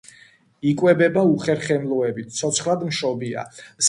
იკვებება უხერხემლოებით ცოცხლადმშობია.